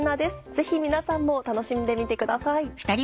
ぜひ皆さんも楽しんでみてください。